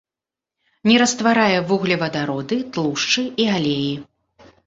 Не растварае вуглевадароды, тлушчы і алеі.